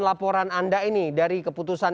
laporan anda ini dari keputusan